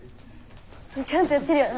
ちゃんとやってるよな。